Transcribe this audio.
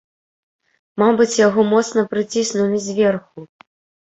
Мабыць, яго моцна прыціснулі зверху.